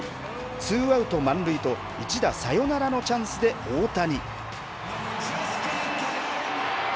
ツーアウト満塁と一打サヨナラのチャンスで大谷。